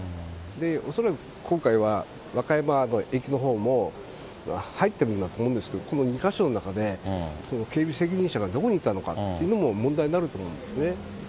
恐らく今回は和歌山の駅のほうも入ってるんだと思うんですけれども、この２か所の中で、警備責任者がどこにいたのかというのも問題になると思うんですね。